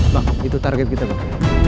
bang itu target kita pak